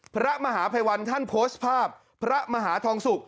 พระมหาภัยวันท่านโพสต์ภาพพระมหาทองสุก